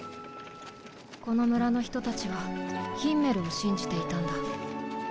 この村の人たちはヒンメルを信じていたんだ。